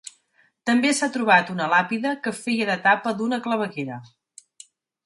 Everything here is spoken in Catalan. També s’ha trobat una làpida que feia de tapa d’una claveguera.